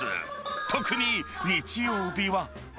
特に、日曜日は。